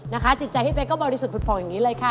จิตใจพี่เป๊กก็บริสุทธิ์ผุดผ่องอย่างนี้เลยค่ะ